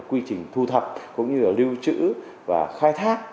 quy trình thu thập cũng như là lưu trữ và khai thác